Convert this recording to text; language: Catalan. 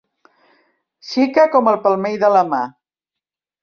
Xica com el palmell de la mà